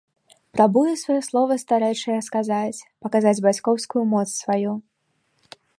Прабуе сваё слова старэчае сказаць, паказаць бацькоўскую моц сваю.